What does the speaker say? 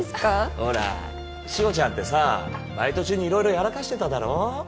ほら志保ちゃんってさバイト中にいろいろやらかしてただろ？